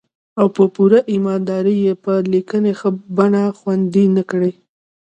او په پوره ايمان دارۍ يې په ليکني بنه خوندي نه کړي.